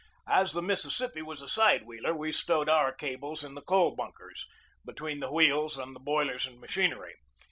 As the Mississippi was a side wheeler we stowed our cables in the coal bunkers, between the wheels and the boilers and machinery.